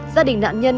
gia đình nạn nhân